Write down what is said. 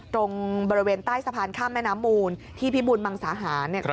ตรงบริเวณใต้สะพานข้ามแม่น้ำมูลที่พิบูรมังสาหาร